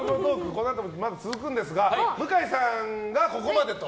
このあとも続くんですが向井さんがここまでと。